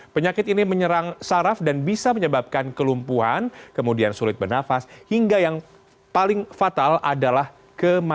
penyakit ini menyerang saraf dan bisa menyebabkan kelumpuhan kemudian sulit bernafas hingga yang paling fatal adalah kematian